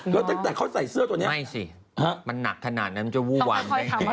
แล้วตั้งแต่เขาใส่เสื้อตัวนี้ฮะต้องค่อยทำอะไรมันหนักขนาดนั้นมันจะวู้วามได้